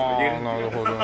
ああなるほどね。